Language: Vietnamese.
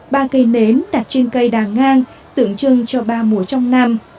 ba cây nến đặt trên cây đà ngang tượng trưng cho ba mùa trong năm